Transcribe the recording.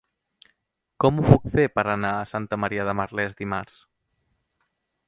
Com ho puc fer per anar a Santa Maria de Merlès dimarts?